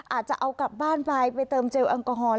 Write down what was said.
อาจจะเอากลับบ้านไปไปเติมเจลแอลกอฮอล